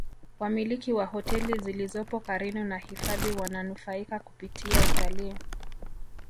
wamiliki wa hoteli zilizopo karinu na hifadhi wananufaika kupitia utalii